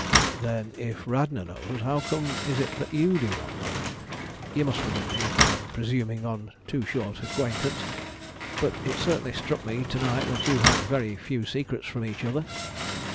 "Then, if Radna knows, how comes it that you do not know? You must forgive me if I am presuming on a too short acquaintance; but it certainly struck me to night that you had very few secrets from each other."